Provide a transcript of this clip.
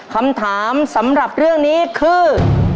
คำถามสำหรับเรื่องนี้คือ